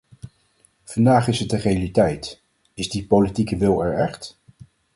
Vandaag is het de realiteit, is die politieke wil er echt.